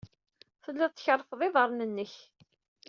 Tellid tkerrfed iḍarren-nnek.